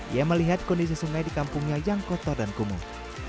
ia melihat kondisi sungai di kampungnya yang kotor dan kumuh